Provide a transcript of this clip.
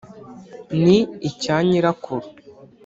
ni icya nyirakuru